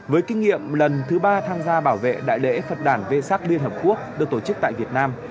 với kinh nghiệm lần thứ ba tham gia bảo vệ đại lễ phật đàn vê sắc liên hợp quốc được tổ chức tại việt nam